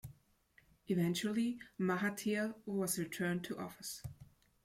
Eventually, Mahathir was returned to office.